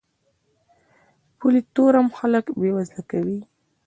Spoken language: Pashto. پولي تورم خلک بې وزله کوي.